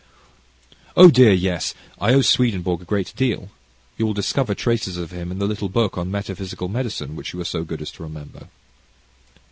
"Oh dear, yes! I owe Swedenborg a great deal; you will discover traces of him in the little book on Metaphysical Medicine, which you were so good as to remember."